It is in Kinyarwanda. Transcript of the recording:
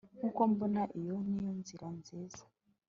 Nkuko mbona iyo niyo nzira nziza